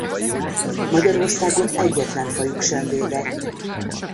Magyarországon egyetlen fajuk sem védett.